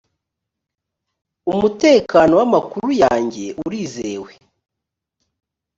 umutekano w’amakuru yanjye urizewe